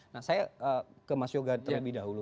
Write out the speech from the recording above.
nah saya ke mas yoga terlebih dahulu